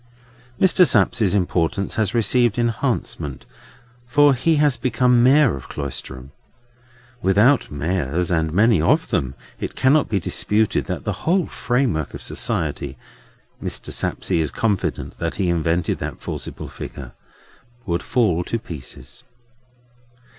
Mr. Sapsea's importance has received enhancement, for he has become Mayor of Cloisterham. Without mayors, and many of them, it cannot be disputed that the whole framework of society—Mr. Sapsea is confident that he invented that forcible figure—would fall to pieces.